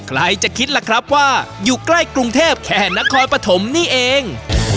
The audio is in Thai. ใครจะคิดล่ะครับว่าอยู่ใกล้กรุงเทพแค่นครปฐมนี่เอง